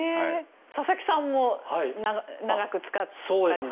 佐々木さんも長く使ってますよね。